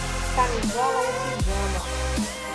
Camisola ou pijama